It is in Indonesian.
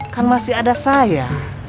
kan masih ada saya